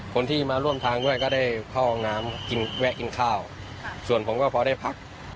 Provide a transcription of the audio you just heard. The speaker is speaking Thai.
คนที่มาร่วมทางด้วยก็ได้เข้าห้องน้ำกินแวะกินข้าวส่วนผมก็พอได้พัก